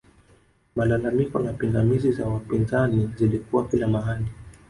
malalamiko na pingamizi za wapinzani zilikuwa kila mahali